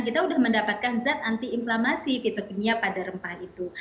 kita sudah mendapatkan zat anti inflammasif itu punya pada rempah itu